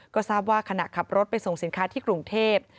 ก็ทราบว่าขณะขับรถไปส่งสินค้าที่กรุงเทพ